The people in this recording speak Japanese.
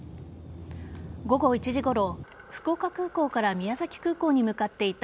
午後１時ごろ福岡空港から宮崎空港に向かっていた